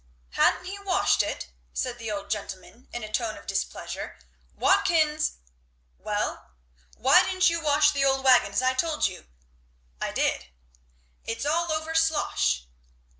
"Ha'n't he washed it!" said the old gentleman in a tone of displeasure. "Watkins!" "Well." "Why didn't you wash the wagon as I told you?" "I did." "It's all over slosh."